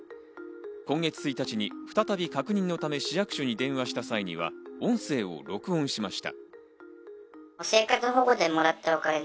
今月１日に再び確認のため市役所に電話した際には、音声を録音しました。